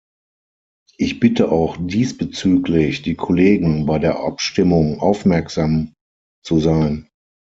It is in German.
Ich bitte auch diesbezüglich die Kollegen, bei der Abstimmung aufmerksam zu sein.